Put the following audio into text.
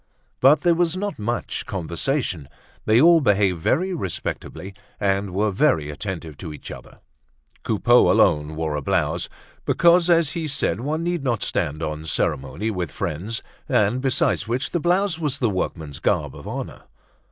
But there was not much conversation; they all behaved very respectably and were very attentive to each other. Coupeau alone wore a blouse, because as he said one need not stand on ceremony with friends and besides which the blouse was the workman's garb of honor.